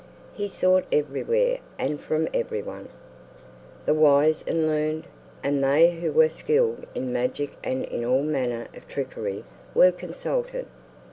He sought everywhere and from everyone. The wise and learned, and they who were skilled in magic and in all manner of trickery, were consulted.